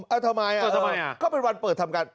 เอาทำไมก็เป็นวันเปิดทำการ